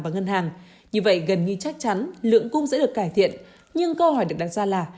và ngân hàng như vậy gần như chắc chắn lượng cung sẽ được cải thiện nhưng câu hỏi được đặt ra là